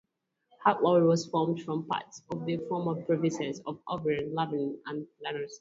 Haute-Loire was formed from parts of the former provinces of Auvergne, Languedoc, and Lyonnais.